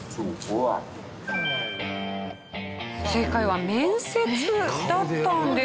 正解は面接だったんです。